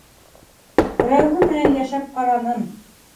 Берәүһе менән йәшәп ҡараным.